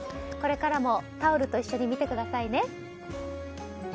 これからもタオルと一緒に見てくださいね。